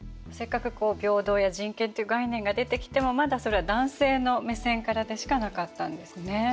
せっかく平等や人権っていう概念が出てきてもまだそれは男性の目線からでしかなかったんですね。